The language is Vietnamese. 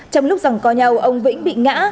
trong lúc rằng co nhau ông vĩnh bị ngã